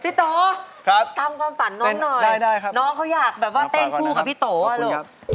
พี่โตครับตามความฝันน้องหน่อยน้องเขาอยากแบบว่าเต้นคู่กับพี่โตอ่ะลูกขอบคุณครับ